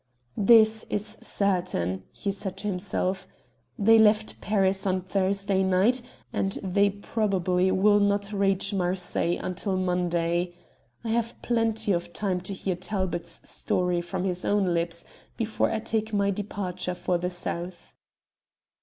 "This is certain," he said to himself. "They left Paris on Thursday night and they probably will not reach Marseilles until Monday. I have plenty of time to hear Talbot's story from his own lips before I take my departure for the South."